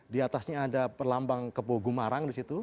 di atasnya ada perlambang kebo gumarang di situ